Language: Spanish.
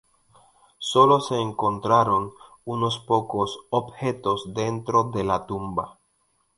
Sólo se encontraron unos pocos objetos dentro de la tumba.